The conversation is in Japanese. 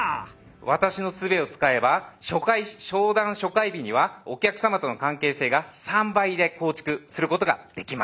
私の術を使えば初回商談初回日にはお客さまとの関係性が３倍で構築することができます。